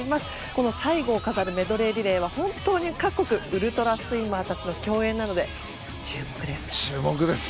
この最後を飾るメドレーリレーは本当に各国ウルトラスイマーたちの競演なので注目です。